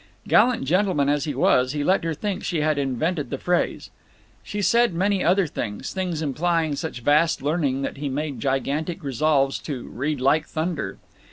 Gallant gentleman as he was, he let her think she had invented the phrase. She said many other things; things implying such vast learning that he made gigantic resolves to "read like thunder."